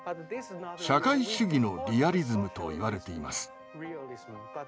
社会主義のリアリズムと言われています。